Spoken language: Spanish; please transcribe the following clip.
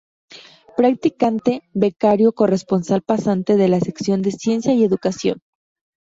Practicante, becario, corresponsal-pasante de la sección de ciencia y educación.